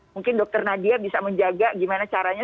mungkin dokter nadia bisa menjaga gimana caranya